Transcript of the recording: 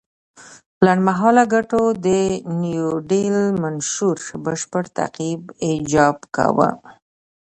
لنډ مهاله ګټو د نیوډیل منشور بشپړ تطبیق ایجاب کاوه.